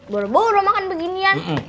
boroboro makan beginian